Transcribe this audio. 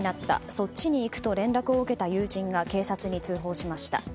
そっちに行くと連絡を受けた友人が警察に通報しました。